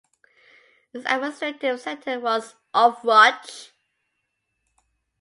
Its administrative centre was Ovruch.